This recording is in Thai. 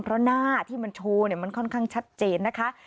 เพราะหน้าที่มันโชว์มันค่อนข้างชัดเจนนะคะ